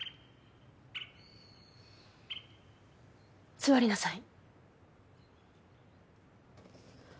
座りなさい。